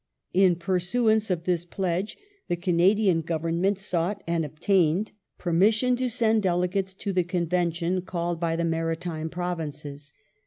In pursuance of this pledge the Canadian Government sought and obtained permission to send delegates to the Convention called by the Maritime Provinces.